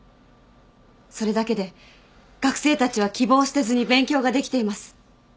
それだけで学生たちは希望を捨てずに勉強ができています。